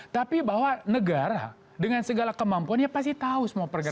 tapi bahwa negara dengan segala kemampuannya pasti tahu semua pergerakan